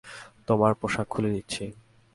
তোমার পোশাক খুলে নিচ্ছি।